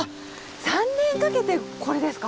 ３年かけてこれですか？